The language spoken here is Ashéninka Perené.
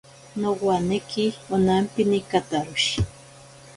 Nowaneki onampini kataroshi.